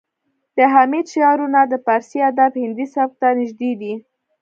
د حمید شعرونه د پارسي ادب هندي سبک ته نږدې دي